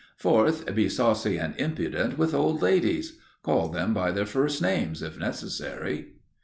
Fourth, be saucy and impudent with old ladies. Call them by their first names, if necessary.